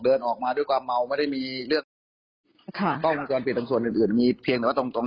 เดินออกมาด้วยความเมาไม่ได้มีเรื่อง